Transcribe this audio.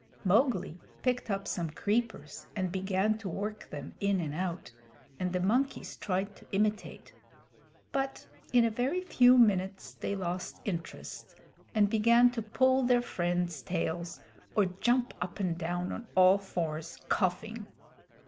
Mowgli picked up some creepers and began to work them in and out, and the monkeys tried to imitate; but in a very few minutes they lost interest and began to pull their friends' tails or jump up and down on all fours, coughing.